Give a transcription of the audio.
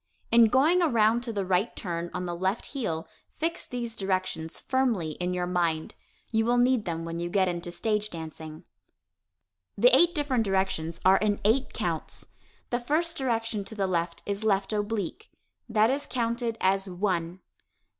In going around to the right turn on the left heel. Fix these directions firmly in your mind. You will need them when you get into stage dancing. [Illustration: Turning the Head] The eight different directions are in eight counts. The first direction to the left is left oblique. That is counted "one."